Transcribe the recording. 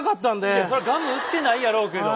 いやそりゃガム売ってないやろうけど。